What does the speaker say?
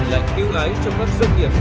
lại tiêu ái cho các doanh nghiệp